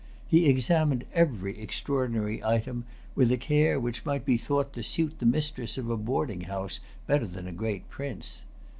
He examined every extraordinary item with a care which might be thought to suit the mistress of a boarding house better than a great prince.